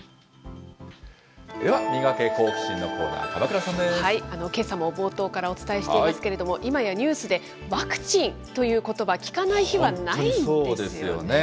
では、ミガケ、好奇心！のコーナけさも冒頭からお伝えしていますけれども、今やニュースでワクチンということば、聞かない日はないんですよね。